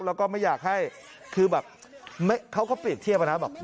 แล้วก็ไม่อยากให้คือแบบไม่เขาก็ปลิกเที่ยมมานะคะ